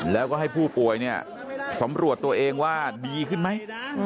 แล้วก็ให้ผู้ป่วยเนี่ยสำรวจตัวเองว่าดีขึ้นไหม